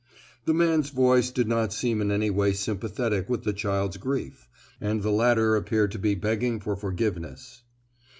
The man's voice did not seem in any way sympathetic with the child's grief; and the latter appeared to be begging for forgiveness.